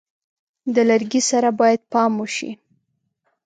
د لرګي سره باید پام وشي.